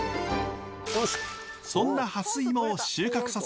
そんなハスイモを収穫させてもらいました。